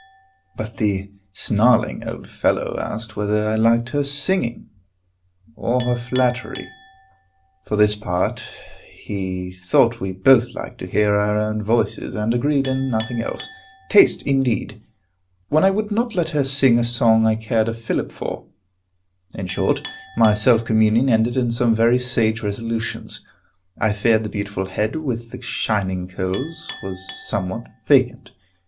But the snarling old fellow asked whether I liked her singing, or her flattery? For his part, he thought we both liked to hear our own voices, and agreed in nothing else. Taste, indeed! when I would not let her sing a song I cared a fillip for. In short, my self communion ended in some very sage resolutions. I feared the beautiful head with the shining curls was somewhat vacant.